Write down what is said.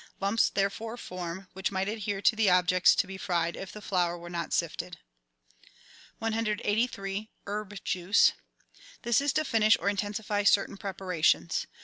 Lumps would therefore form, which might adhere to the objects to be fried if the flour were not sifted. 183— HERB JUICE This is to finish or intensify certain preparations.